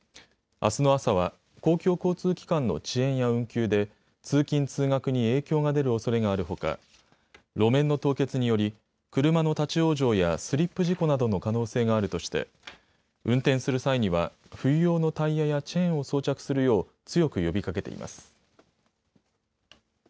あすの朝は公共交通機関の遅延や運休で通勤通学に影響が出るおそれがあるほか路面の凍結により車の立往生やスリップ事故などの可能性があるとして運転する際には冬用のタイヤやチェーンを装着するよう強く呼びかけています。